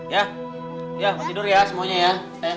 ya ya tidur ya semuanya ya